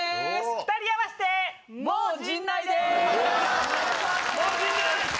２人合わせて、もう陣内でーす。